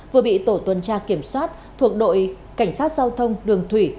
vừa bị tổ tuần tra kiểm soát thuộc đội cảnh sát giao thông đường thủy